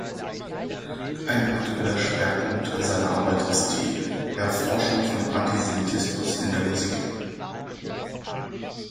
Ein aktueller Schwerpunkt seiner Arbeit ist die Erforschung von Antisemitismus in der Musik.